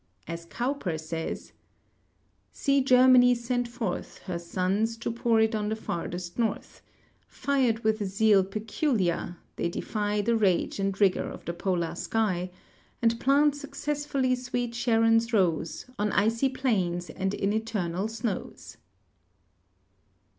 As Cowper says ; See Germany send forth Her sons to pour it on tlie fartliest north. Fired with a zeal j>eculiar, they defy The rage and rigor of a polar sky And plant successfully sweet Sharon's rose On icy plains and in eternal snows.